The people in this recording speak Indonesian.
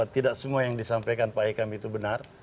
tidak semua yang disampaikan pak e kambi itu benar